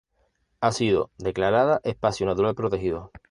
Ha sido declarada Espacio Natural Protegido.